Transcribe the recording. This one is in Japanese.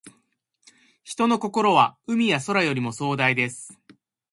人の心は、海や空よりも壮大です。